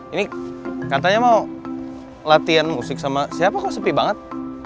ini katanya mau latihan musik sama siapa kok sepi banget